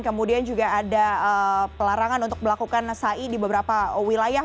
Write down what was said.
kemudian juga ada pelarangan untuk melakukan ⁇ ai di beberapa wilayah